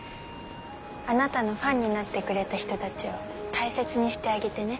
あなたのファンになってくれた人たちを大切にしてあげてね。